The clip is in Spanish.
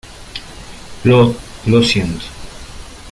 Lo... Lo siento .